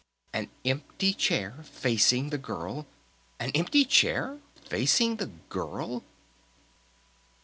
An empty chair facing the Girl! _An empty chair facing the Girl.